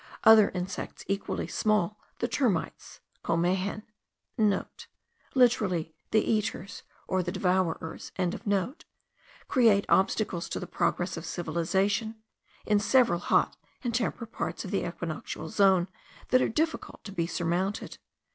Other insects equally small, the termites (comejen),* (* Literally, the eaters or the devourers.) create obstacles to the progress of civilization, in several hot and temperate parts of the equinoctial zone, that are difficult to be surmounted.